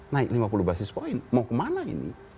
naik lima puluh basis point mau kemana ini